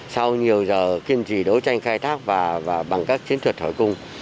sau nhiều giờ kiên trì đối tranh khai thác và bằng các chiến thuật hồi cung